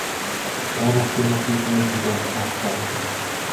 Äänestimme siis mietintöä vastaan.